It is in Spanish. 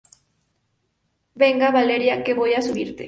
venga, Valeria, que voy a subirte.